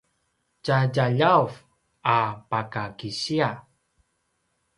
tjadjaljav a pakakisia